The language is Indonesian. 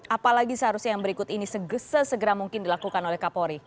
apalagi seharusnya yang berikut ini sesegera mungkin dilakukan oleh kapolri